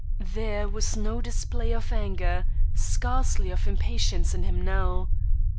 There was no display of anger, scarcely of impatience, in him now.